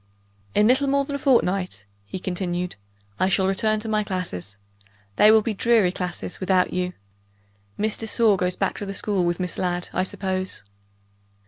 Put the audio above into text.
"In little more than a fortnight," he continued, "I shall return to my classes they will be dreary classes, without you. Miss de Sor goes back to the school with Miss Ladd, I suppose?"